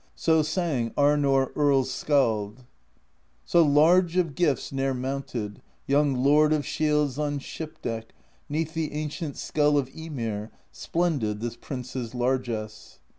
So sang Arnorr Earls' Skald : So large of gifts ne'er mounted Young Lord of Shields on ship deck 'Neath the ancient Skull of Ymir: Splendid this Prince's largess.